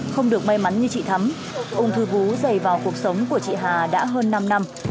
không được may mắn như chị thắm ung thư vú dày vào cuộc sống của chị hà đã hơn năm năm